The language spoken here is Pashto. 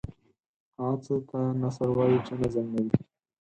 هغه څه ته نثر وايو چې نظم نه وي.